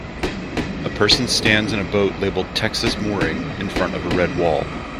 A person stands in a boat labeled Texas Mooring in front of a red wall.